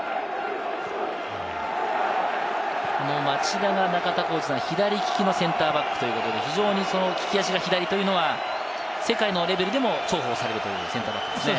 町田が左利きのセンターバックということで、非常に利き足が左というのは世界のレベルでも重宝されるというセンターバックですね。